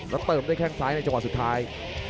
แล้วเติมด้วยแข้งซ้ายในจังหวะสุดท้าย